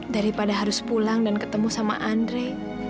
daripada harus pulang dan ketemu sama andre